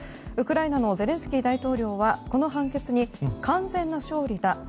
ウクライナのゼレンスキー大統領はこの判決に完全な勝利だ。